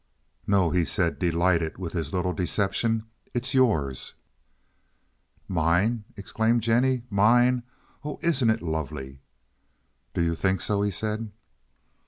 "No," he said, delighted with his little deception. "It's yours." "Mine!" exclaimed Jennie. "Mine! Oh, isn't it lovely!" "Do you think so?" he said.